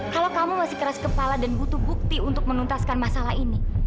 kalau kamu masih keras kepala dan butuh bukti untuk menuntaskan masalah ini